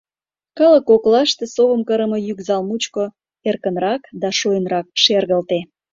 Калык коклаште совым кырыме йӱк зал мучко эркынрак да шуэнрак шергылте.